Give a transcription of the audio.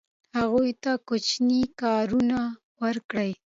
هغوی ته کوچني کارونه ورکړئ.